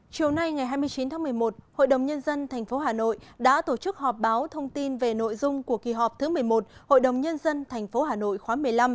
chiều nay ngày hai mươi chín tháng một mươi một hội đồng nhân dân tp hà nội đã tổ chức họp báo thông tin về nội dung của kỳ họp thứ một mươi một hội đồng nhân dân tp hà nội khóa một mươi năm